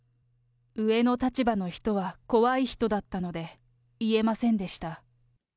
上の立場の人は怖い人だったので言えませんでした。